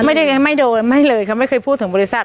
ไม่ได้ไม่โดนไม่เลยเขาไม่เคยพูดถึงบริษัท